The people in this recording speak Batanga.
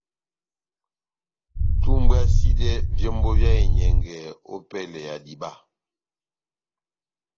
Tumbwasidɛ vyómbo vyá enyɛngɛ opɛlɛ ya diba.